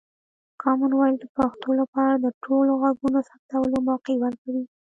کامن وایس د پښتو لپاره د ټولو غږونو ثبتولو موقع ورکوي.